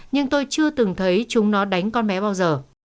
nhưng tôi chưa từng thấy chúng nó đánh con bé bao giờ